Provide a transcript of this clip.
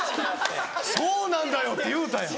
「そうなんだよ」って言うたやん。